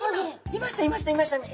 いましたいましたいましたね！